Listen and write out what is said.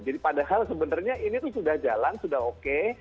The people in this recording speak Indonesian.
jadi padahal sebenarnya ini itu sudah jalan sudah oke